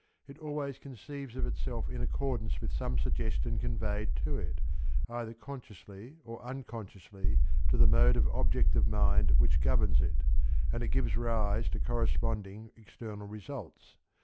It always conceives of itself in accordance with some suggestion conveyed to it, either consciously or unconsciously to the mode of objective mind which governs it, and it gives rise to corresponding external results.